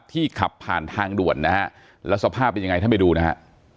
ขับผ่านทางด่วนนะฮะแล้วสภาพเป็นยังไงท่านไปดูนะฮะ